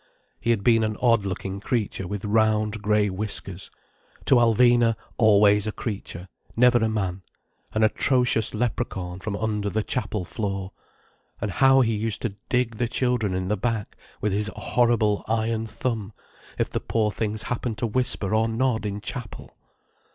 He had been an odd looking creature with round grey whiskers: to Alvina, always a creature, never a man: an atrocious leprechaun from under the Chapel floor. And how he used to dig the children in the back with his horrible iron thumb, if the poor things happened to whisper or nod in chapel!